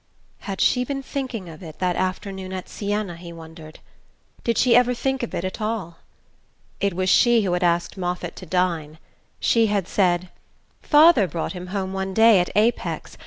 Had she been thinking of it that afternoon at Siena, he wondered? Did she ever think of it at all?... It was she who had asked Moffatt to dine. She had said: "Father brought him home one day at Apex....